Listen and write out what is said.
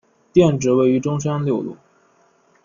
店址位于中山六路。